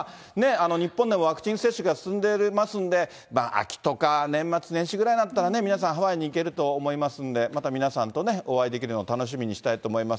日本でもワクチン接種が進んでますんで、秋とか年末年始ぐらいになったら、皆さんハワイに行けると思いますんで、また皆さんとね、お会いできるのを楽しみにしたいと思います。